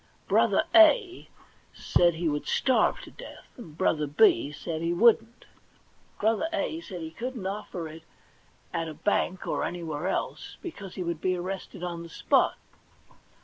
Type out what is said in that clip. Brother A said he w^ould starve to death ; Brother B said he wouldn't. Brother A B2 4 THE £1,000,000 ^ANK NOTE said he couldn't offer it at a bank or any\Yhere else, because he would be arrested on the spot.